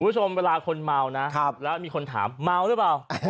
คุณผู้ชมเวลาคนเมานะแล้วมีคนถามเมาหรือเปล่า